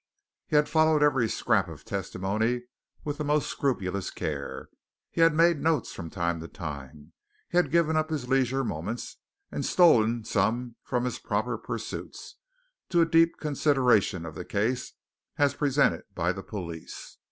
He had followed every scrap of testimony with the most scrupulous care; he had made notes from time to time; he had given up his leisure moments, and stolen some from his proper pursuits, to a deep consideration of the case as presented by the police.